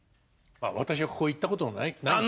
私はここ行ったことないんです。